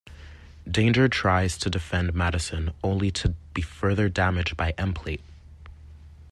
Danger tries to defend Madison only to be further damaged by Emplate.